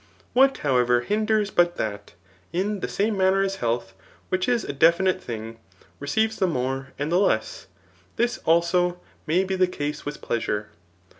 What however hin ders but that, in the same manner as health, which is a definite thing, receives the more and the less ; this, also, may be the case with pleasure?